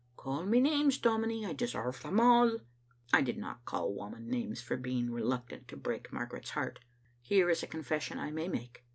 Call me names, dominie; I deserve them all." I did not call Whamond names for being reluctant to break Margaret's heart. Here is a confession I may make.